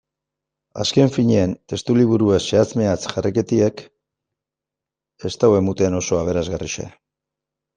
Azken finean, testuliburua zehatz-mehatz jarraitzeak ez dirudi oso aberasgarria.